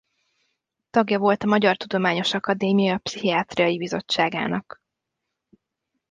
Tagja volt a Magyar Tudományos Akadémia Pszichiátriai Bizottságának.